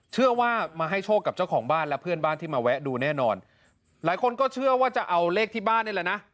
เชื่อว่ามาให้โชคกับเจ้าของบ้านและเพื่อนบ้านที่มาแวะดูแน่นอนหลายคนก็เชื่อว่าจะเอาเลขที่บ้านนี่แหละนะ